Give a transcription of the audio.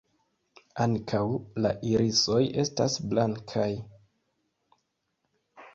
Ankaŭ la irisoj estas blankaj.